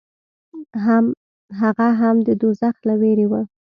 هغه هم د دوزخ له وېرې و.